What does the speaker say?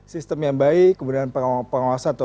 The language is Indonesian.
sistem yang baik kemudian penguasa